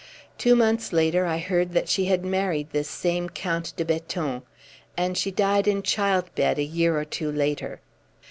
Two months later I heard that she had married this same Count de Beton, and she died in child bed a year or two later.